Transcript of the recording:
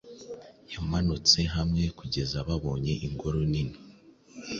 Yamanutse hamwekugeza babonye ingoro nini